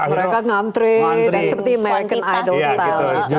mereka ngantri dan seperti merken idol style